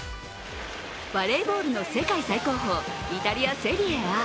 バレーボールの世界最高峰イタリア・セリエＡ。